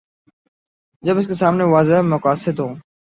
جب اس کے سامنے واضح مقاصد ہوں۔